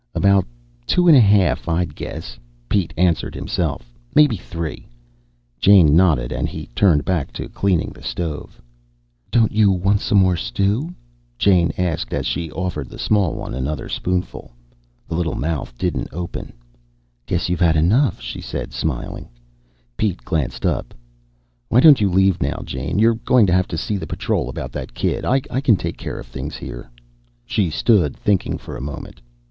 "About two and a half, I'd guess," Pete answered himself. "Maybe three." Jane nodded and he turned back to cleaning the stove. "Don't you want some more stew?" Jane asked as she offered the small one another spoonful. The little mouth didn't open. "Guess you've had enough," she said, smiling. Pete glanced up. "Why don't you leave now, Jane. You're going to have to see the Patrol about that kid. I can take care of things here." She stood thinking for a moment.